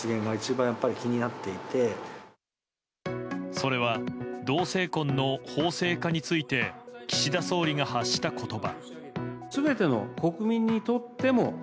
それは同性婚の法制化について岸田総理が発した言葉。